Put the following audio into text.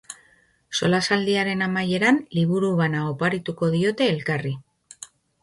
Solasaldiaren amaieran, liburu bana oparituko diote elkarri.